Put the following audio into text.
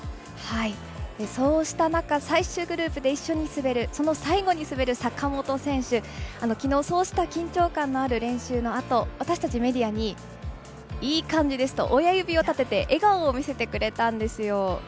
そうした中、最終グループで一緒に滑る、その最後に滑る坂本選手、きのうそうした緊張感のある練習のあと私たちメディアにいい感じです、と親指を立てて笑顔を見せてくれたんですよ。